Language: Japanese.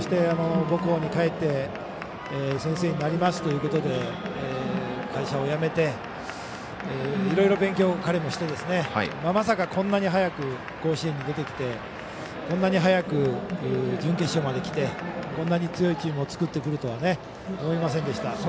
母校に帰って先生になりますということで会社を辞めていろいろ勉強を彼もしてまさかこんなに早く甲子園に出てきてこんなに早く準決勝まできてこんなに強いチームを作ってくるとは思いませんでした。